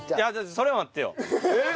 それは待って。